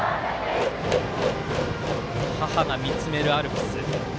母が見つめるアルプス。